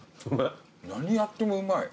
何やってもうまい。